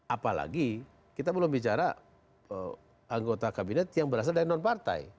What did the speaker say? apalagi kita belum bicara anggota kabinet yang berasal dari non partai